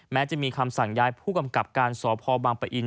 แม้จะมีคำสั่งย้ายผู้กำกับการสพบังปะอิน